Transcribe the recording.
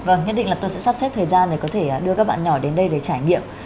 vâng nhất định là tôi sẽ sắp xếp thời gian để có thể đưa các bạn nhỏ đến đây để trải nghiệm